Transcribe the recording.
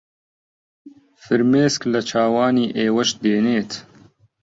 فرمێسک لە چاوانی ئێوەش دێنێت